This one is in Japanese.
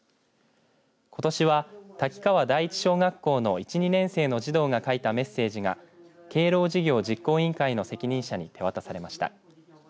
ことしは滝川第一小学校の１、２年生の児童が書いたメッセージが敬老事業実行委員会の責任者に手渡されました。